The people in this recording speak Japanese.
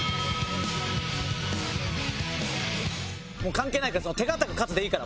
関係ないから。